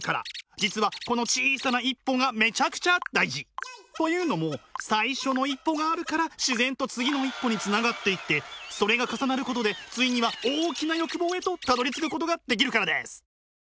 実はこの小さな一歩がめちゃくちゃ大事。というのも最初の一歩があるから自然と次の一歩につながっていってそれが重なることでついには大きな欲望へとたどりつくことができるからです！